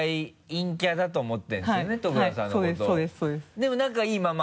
でも仲いいまま？